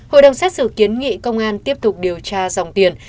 hội đồng xét xử kiến nghị công an tiếp tục điều tra dòng tiền